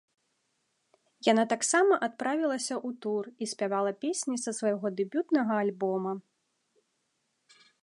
Яна таксама адправілася ў тур і спявала песні са свайго дэбютнага альбома.